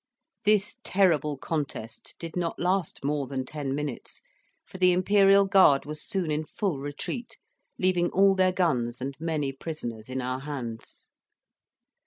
This terrible contest did not last more than ten minutes, for the Imperial Guard was soon in full retreat, leaving all their guns and many prisoners in our hands.